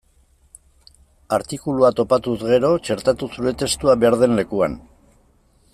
Artikulua topatuz gero, txertatu zure testua behar den lekuan.